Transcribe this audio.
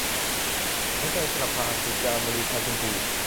หัวใจประกาศิต - จามรี พรรณชมพู